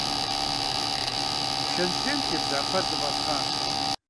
Шэнтжьейм тебза фэр зэфӏэтхъащ.